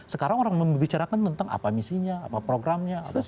sekarang orang membicarakan tentang apa misinya apa programnya